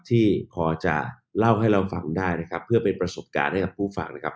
ที่พอจะเล่าให้เราฟังได้นะครับเพื่อเป็นประสบการณ์ให้กับผู้ฟังนะครับ